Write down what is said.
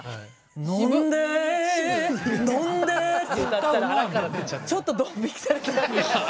「飲んで飲んで」って歌ったらちょっとどん引きされた。